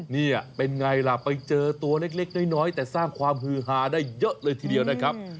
นี่เป็นไงล่ะไปเจอตัวเล็กน้อยแต่สร้างความฮือฮาได้เยอะเลยทีเดียวนะครับ